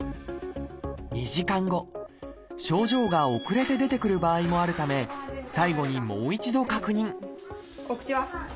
２時間症状が遅れて出てくる場合もあるため最後にもう一度確認お口は？